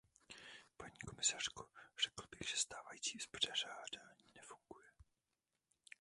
Paní komisařko, řekl bych, že stávající uspořádání nefunguje.